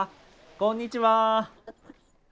こんにちは。